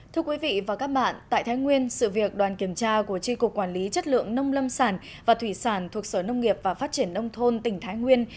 thưa quý vị và các bạn tại thái nguyên sự việc đoàn kiểm tra của tri cục quản lý chất lượng nông lâm sản và thủy sản thuộc sở nông nghiệp và phát triển nông thôn tỉnh thái nguyên